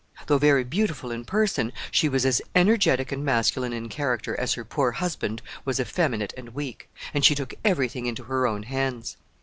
Though very beautiful in person, she was as energetic and masculine in character as her poor husband was effeminate and weak, and she took every thing into her own hands.